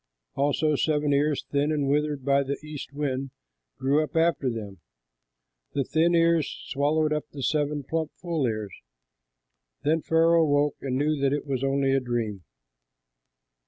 Also seven ears, thin and withered by the east wind, grew up after them. The thin ears swallowed up the seven plump, full ears. Then Pharaoh awoke, and knew that it was only a dream.